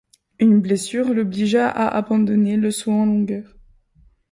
Une blessure l'obligea à abandonner le saut en longueur.